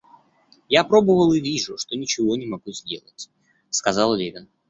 Я пробовал и вижу, что ничего не могу сделать, — сказал Левин.